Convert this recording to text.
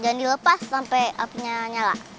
jangan dilepas sampai apinya nyala